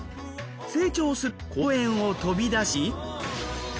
成長すると公園を飛び出し。